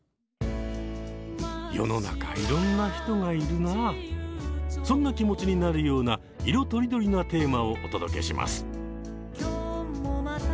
世の中そんな気持ちになるような色とりどりなテーマをお届けします。